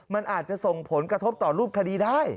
มันอาจจะส่งผลกระทบต่อรูปคดีได้